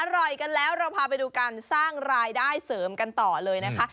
อร่อยกันแล้วเราพาไปดูการสร้างรายได้เสริมกันต่อเลยนะคะ